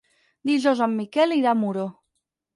Dijous en Miquel irà a Muro.